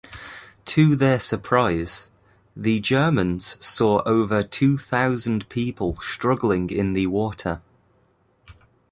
To their surprise, the Germans saw over two thousand people struggling in the water.